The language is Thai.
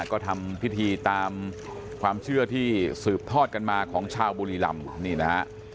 ก็ทำพิธีตามความเชื่อที่สืบทอดกันมาของชาวบุรีรำนี่นะฮะ